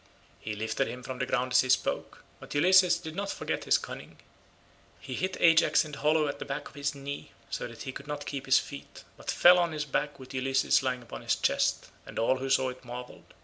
He lifted him from the ground as he spoke, but Ulysses did not forget his cunning. He hit Ajax in the hollow at back of his knee, so that he could not keep his feet, but fell on his back with Ulysses lying upon his chest, and all who saw it marvelled.